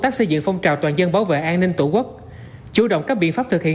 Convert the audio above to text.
và không thừa nhận hành vi phạm tội